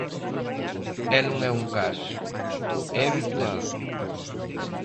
E non é un caso, é habitual.